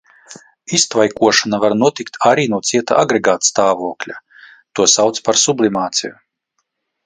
Iztvaikošana var notikt arī no cieta agregātstāvokļa – to sauc par sublimāciju.